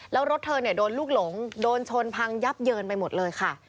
แล้วรถเธอเนี่ยโดนลูกหลงโดนชนพังยับเยินไปหมดเลยค่ะ